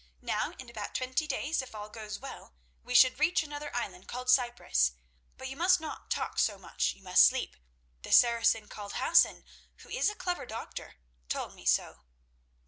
Now, in about twenty days, if all goes well, we should reach another island called Cyprus. But you must not talk so much, you must sleep. The Saracen called Hassan, who is a clever doctor, told me so."